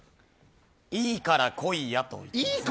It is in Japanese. いいから来いやと言ってます。